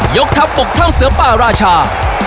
กทัพปกท่องเสือป่าราชา